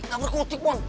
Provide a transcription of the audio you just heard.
nggak berkutik mohon